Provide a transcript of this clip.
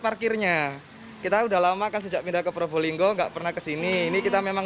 parkirnya kita udah lama kan sejak pindah ke probolinggo nggak pernah kesini ini kita memang